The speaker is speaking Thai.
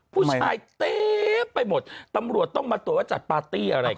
ผู้ชายเต็มไปหมดตำรวจต้องมาตรวจว่าจัดปาร์ตี้อะไร